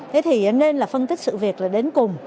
thế thì nên là phân tích sự việc là đến cùng